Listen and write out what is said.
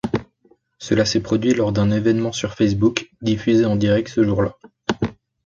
Cela s'est produit lors d'un événement sur Facebook, diffusé en direct ce jour-là.